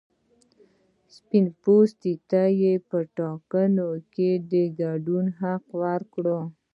سپین پوستو ته یې په ټاکنو کې د ګډون حق ورکړ.